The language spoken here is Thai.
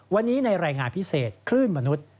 วันนี้ในรายงานพิเศษคลื่นมนุษย์